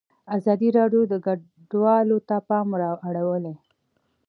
ازادي راډیو د کډوال ته پام اړولی.